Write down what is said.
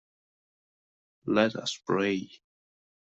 Let us pray.